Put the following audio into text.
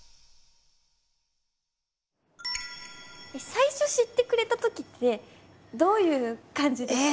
最初知ってくれたときってどういう感じでしたか？